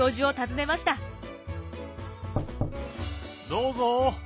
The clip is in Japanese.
どうぞ。